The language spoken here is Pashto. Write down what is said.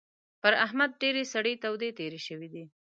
پر احمد ډېرې سړې تودې تېرې شوې دي.